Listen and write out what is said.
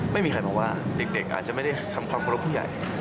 ไม่มีใครมาว่าเด็กอาจจะไม่ได้ทำความเคารพผู้ใหญ่